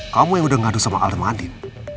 kamu yang udah ngadu sama alderman andin